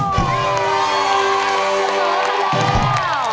โอ้โฮ